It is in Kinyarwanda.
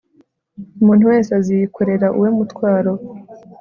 umuntu wese aziyikorera uwe mutwaro